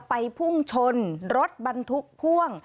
พุ่งชนรถบรรทุกพ่วง